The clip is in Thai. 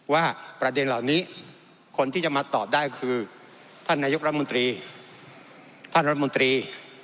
ว่าประเด็นเหล่านี้คนที่จะมาตอบได้คือท่านนายกรัฐมนตรีท่านรัฐมนตรี